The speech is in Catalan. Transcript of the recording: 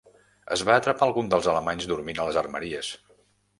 Es va atrapar alguns dels alemanys dormint a les armeries.